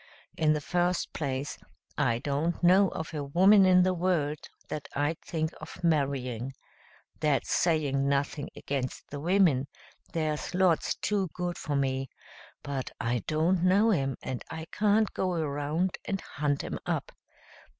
In the first place, I don't know of a woman in the world that I'd think of marrying. That's saying nothing against the women, there's lots too good for me, but I don't know 'em and I can't go around and hunt 'em up.